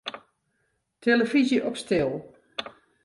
Tillefyzje op stil.